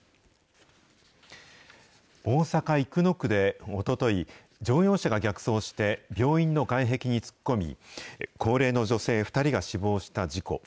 大阪・生野区でおととい、乗用車が逆走して病院の外壁に突っ込み、高齢の女性２人が死亡した事故。